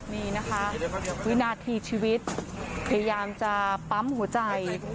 นี่นะคะวินาทีชีวิตพยายามจะปั๊มหัวใจ